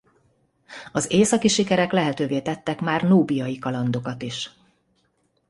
Az északi sikerek lehetővé tettek már núbiai kalandokat is.